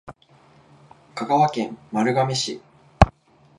香川県丸亀市